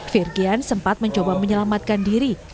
virgian sempat mencoba menyelamatkan diri